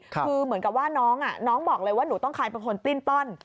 คือเหมือนกับว่าน้องน้องบอกเลยว่าหนูต้องคลายเป็นคนปลิ้นป้อน